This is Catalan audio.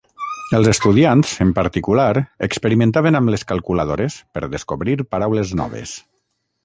Els estudiants, en particular, experimentaven amb les calculadores per descobrir paraules noves.